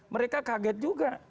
mereka kaget juga